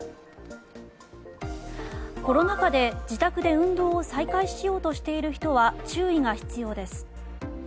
コロナ禍で自宅で運動を再開しようとしている人は注意が必要です。